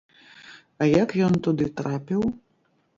А як ён туды трапіў?